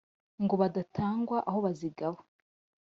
ngo badatangwa aho bazigaba